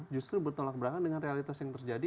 justru bertolak belakang dengan realitas yang terjadi